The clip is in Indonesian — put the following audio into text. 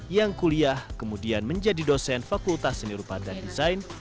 yang kuliah kemudian menjadi dosen fakultas seni rupa dan desain